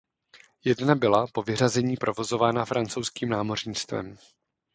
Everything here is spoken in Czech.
Jedna byla po vyřazení provozována francouzským námořnictvem.